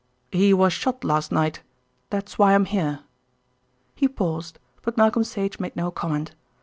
"He was shot last night. That's why I'm here." He paused; but Malcolm Sage made no comment.